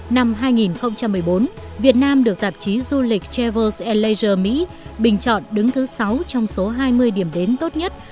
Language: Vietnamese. năm hai nghìn một mươi bốn việt nam được tạp chí du lịch travels leisure mỹ bình chọn đứng thứ sáu trong số hai mươi điểm đến tốt nhất